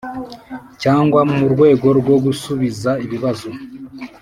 cyangwa mu rwego rwo gusubiza ibibazo